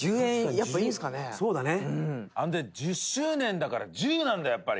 タカ：１０周年だから１０なんだ、やっぱり！